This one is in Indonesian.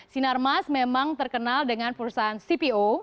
sinar mas memang terkenal dengan perusahaan cpo